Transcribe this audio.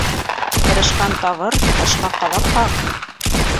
Тырышҡан табыр, ташҡа ҡаҙаҡ ҡағыр.